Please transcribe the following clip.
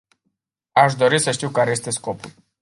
Aș dori să știu care este scopul.